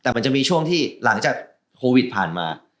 แต่มันจะมีช่วงที่หลังจากโควิดผ่านมา